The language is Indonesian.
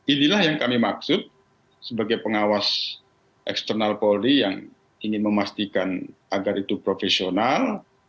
inilah yang kami maksud sebagai pengawas eksternal polri yang ingin memastikan agar itu profesional